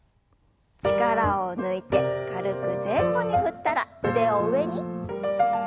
力を抜いて軽く前後に振ったら腕を上に。